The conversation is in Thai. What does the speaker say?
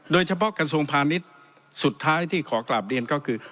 โดยเฉพาะกระทรวงพาณิชย์สุดท้ายที่ขอกราบเรียนก็คือ